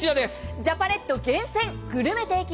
ジャパネット厳選グルメ定期便。